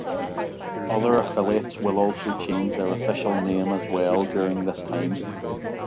Other affiliates will also change their official name as well during this time.